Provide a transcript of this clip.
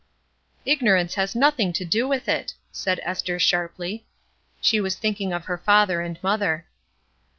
"Ignorance has nothing to do with it/' said Esther, sharply. She was thinking of her father and mother.